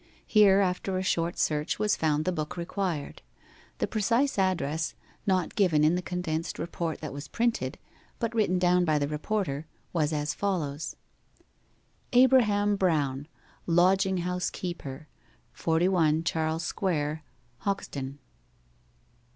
Here, after a short search, was found the book required. The precise address, not given in the condensed report that was printed, but written down by the reporter, was as follows: 'ABRAHAM BROWN, LODGING HOUSE KEEPER, 41 CHARLES SQUARE, HOXTON.